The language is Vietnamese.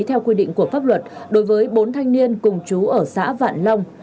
theo quy định của pháp luật đối với bốn thanh niên cùng chú ở xã vạn long